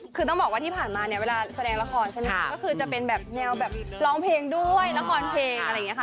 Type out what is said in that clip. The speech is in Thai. ก็คือจะเป็นแบบแนวแบบร้องเพลงด้วยละครเพลงอะไรอย่างเงี้ยค่ะ